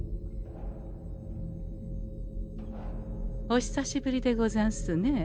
お久しぶりでござんすねえ